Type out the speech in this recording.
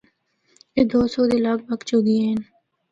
اے دو سو دے لگ بھک جھگیاں ہن۔